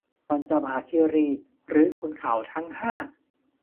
ปัญจมหาคีรี หรือขุนเขาทั้งห้า